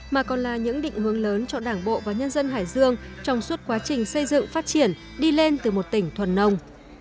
mà còn là những định hướng lớn cho đảng bộ và nhân dân hải dương trong suốt quá trình xây dựng phát triển đi lên từ một tỉnh thuần nông